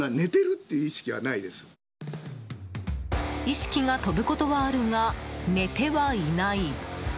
意識が飛ぶことはあるが寝てはいない。